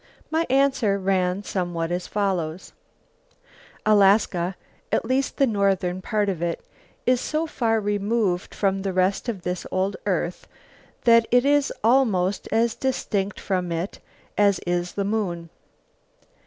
My answer ran somewhat as follows: Alaska, at least the northern part of it, is so far removed from the rest of this old earth that it is almost as distinct from it as is the moon.